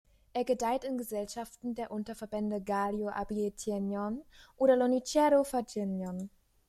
Er gedeiht in Gesellschaften der Unterverbände Galio-Abietenion oder Lonicero-Fagenion.